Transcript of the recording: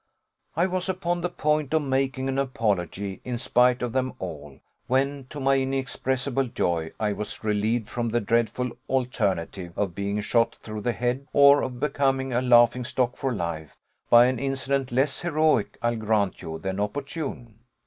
I was upon the point of making an apology, in spite of them all, when, to my inexpressible joy, I was relieved from the dreadful alternative of being shot through the head, or of becoming a laughing stock for life, by an incident, less heroic, I'll grant you, than opportune.